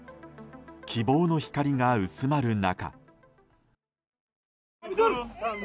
希望の光が薄まる中。